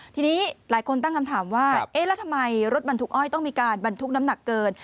ทีนี้หลายคนตั้งคำถามว่าเอ๊ะแล้วทำไมรถบรรทุกอ้อยต้องมีการบรรทุกน้ำหนักเกิน